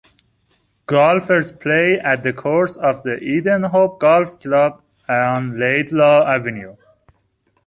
Golfers play at the course of the Edenhope Golf Club on Laidlaw Avenue.